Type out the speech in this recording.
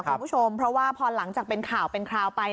คุณผู้ชมเพราะว่าพอหลังจากเป็นข่าวเป็นคราวไป